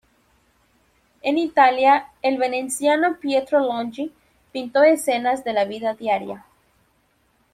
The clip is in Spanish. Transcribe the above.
En Italia, el veneciano Pietro Longhi pintó escenas de la vida diaria.